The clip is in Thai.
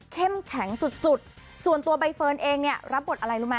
เข้มแข็งสุดส่วนตัวใบเฟิร์นเองเนี่ยรับบทอะไรรู้มั้ย